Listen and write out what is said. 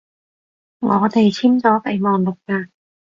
我哋簽咗備忘錄㗎